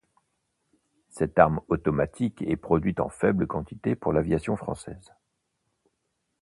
Cette arme automatique est produite en faible quantité pour l'aviation française.